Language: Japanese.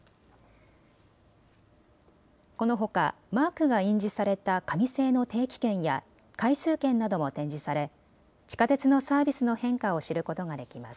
このほかマークが印字された紙製の定期券や回数券なども展示され、地下鉄のサービスの変化を知ることができます。